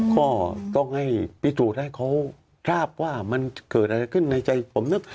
ก็ต้องให้พิสูจน์ให้เขาทราบว่ามันเกิดอะไรขึ้นในใจผมนึก